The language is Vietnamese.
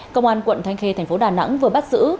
công an quận thanh khê tp đà nẵng vừa bắt giữ